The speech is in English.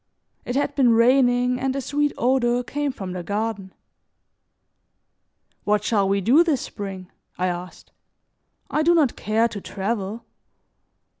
It had been raining and a sweet odor came from the garden. "What shall we do this spring?" I asked. "I do not care to travel."